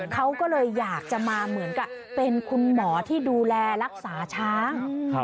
เขาก็เลยอยากจะมาเหมือนกับเป็นคุณหมอที่ดูแลรักษาช้าง